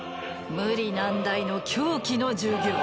無理難題の狂気の授業。